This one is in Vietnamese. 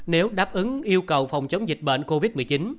nếu đáp ứng yêu cầu phòng chống dịch bệnh covid một mươi chín